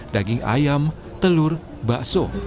daging ayam telur bakso